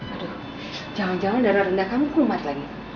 aduh jangan jangan dara rendah kamu kumat lagi